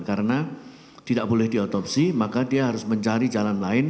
karena tidak boleh diotopsi maka dia harus mencari jalan lain